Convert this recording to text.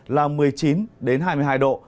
là một mươi chín hai mươi hai độ